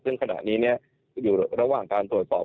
ซึ่งขณะนี้อยู่ระหว่างการตรวจสอบ